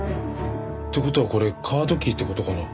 って事はこれカードキーって事かな？